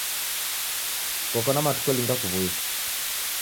Koka na matuku alinga kuw'uye?